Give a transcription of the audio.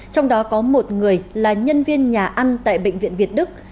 trong đó có một người là nhân viên nhà ăn tại bệnh viện việt đức